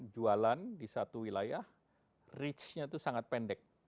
jualan di satu wilayah reach nya itu sangat pendek